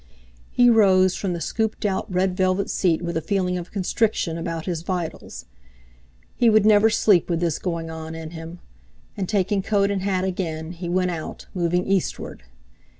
He rose from the scooped out red velvet seat with a feeling of constriction about his vitals. He would never sleep with this going on in him! And, taking coat and hat again, he went out, moving eastward.